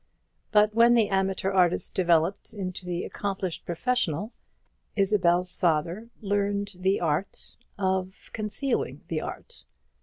But when the amateur artist developed into the accomplished professional, Isabel's father learned the art of concealing the art.